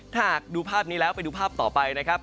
ถ้าหากดูภาพนี้แล้วไปดูภาพต่อไปนะครับ